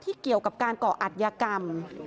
ที่เกี่ยวกับการเกาะอัดยกรรม